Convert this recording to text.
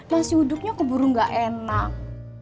nasi uduknya ke burung gak enak